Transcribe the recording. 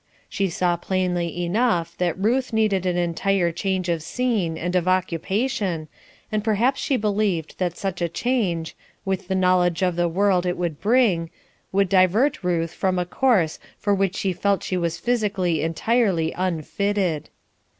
She saw plainly enough that Ruth needed an entire change of scene and of occupation, and perhaps she believed that such a change, with the knowledge of the world it would bring, would divert Ruth from a course for which she felt she was physically entirely unfitted.